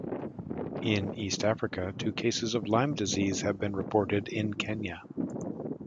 In East Africa, two cases of Lyme disease have been reported in Kenya.